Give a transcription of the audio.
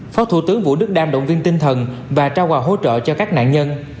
phó thủ tướng vũ đức đam động viên tinh thần và trao quà hỗ trợ cho các nạn nhân